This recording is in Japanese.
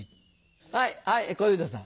はいはい小遊三さん。